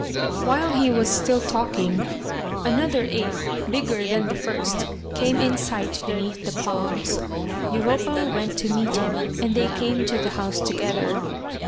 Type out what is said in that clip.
While he was still talking, another ape, bigger than the first, came in sight beneath the palms. Europa went to meet him, and they came to the house together.